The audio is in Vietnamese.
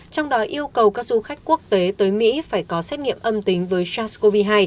trong đó yêu cầu các du khách quốc tế tới mỹ phải có xét nghiệm âm tính với sars cov hai